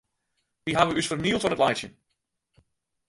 Wy hawwe ús fernield fan it laitsjen.